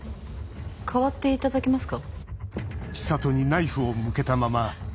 代わっていただけますか？